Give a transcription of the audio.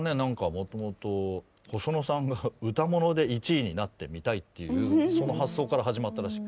もともと細野さんが歌もので１位になってみたいというその発想から始まったらしい。